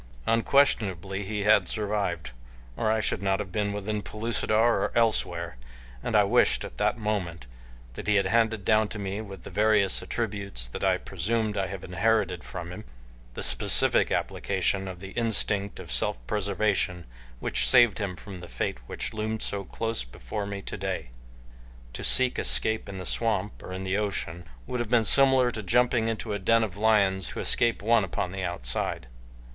Unquestionably he had escaped, or I should not have been within Pellucidar or elsewhere, and I wished at that moment that he had handed down to me with the various attributes that I presumed I have inherited from him, the specific application of the instinct of self preservation which saved him from the fate which loomed so close before me today. To seek escape in the swamp or in the ocean would have been similar to jumping into a den of lions to escape one upon the outside.